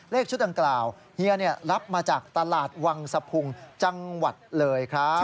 เลขชุดดังกล่าวเฮียรับมาจากตลาดวังสะพุงจังหวัดเลยครับ